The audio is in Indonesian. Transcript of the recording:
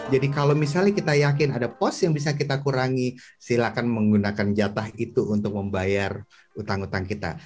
jadi kalau misalnya kita yakin ada pos yang bisa kita kurangi silakan menggunakan jatah itu untuk membayar utang utang kita